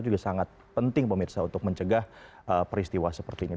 juga sangat penting pemirsa untuk mencegah peristiwa seperti ini